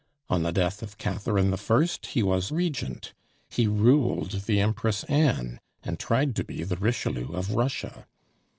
On the death of Catherine I. he was regent; he ruled the Empress Anne, and tried to be the Richelieu of Russia.